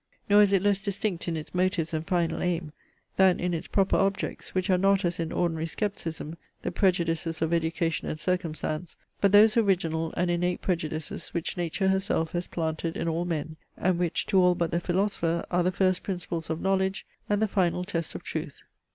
Nor is it less distinct in its motives and final aim, than in its proper objects, which are not as in ordinary scepticism the prejudices of education and circumstance, but those original and innate prejudices which nature herself has planted in all men, and which to all but the philosopher are the first principles of knowledge, and the final test of truth.